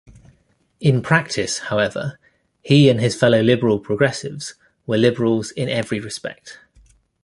In practice, however, he and his fellow Liberal-Progressives were Liberals in every respect.